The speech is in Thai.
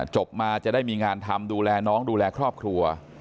จบมาจะได้มีงานทำดูแลน้องดูแลครอบครัว